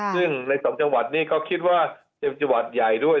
ซึ่งในสองจังหวัดนี้ก็คิดว่าเป็นจังหวัดใหญ่ด้วย